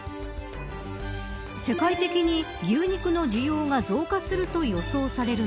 世界的に牛肉の需要が増加すると予想される